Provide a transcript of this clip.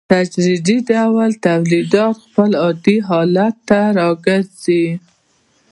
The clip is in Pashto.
په تدریجي ډول تولیدات خپل عادي حالت ته راګرځي